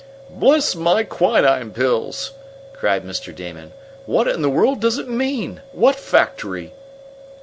"Bless my quinine pills!" cried Mr Damon. "What in the world does it mean? What factory?"